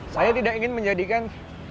saya tidak ingin menjadikan